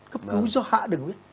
cấp cứu do hạ đường huyết